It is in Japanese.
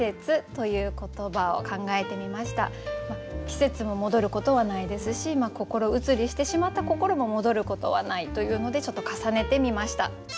季節も戻ることはないですし心移りしてしまった心も戻ることはないというのでちょっと重ねてみました。